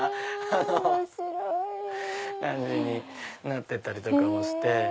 なってたりとかもして。